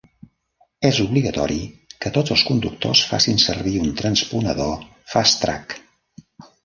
És obligatori que tots els conductors facin servir un transponedor FasTrak.